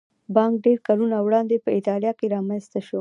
بانک ډېر کلونه وړاندې په ایټالیا کې رامنځته شو